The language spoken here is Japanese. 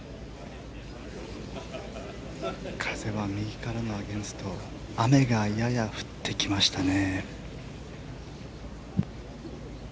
風は右からのアゲンスト雨がやや降ってきましたね。